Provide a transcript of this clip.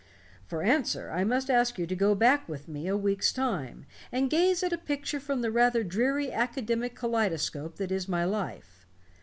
For answer, I must ask you to go back with me a week's time, and gaze at a picture from the rather dreary academic kaleidoscope that is my life.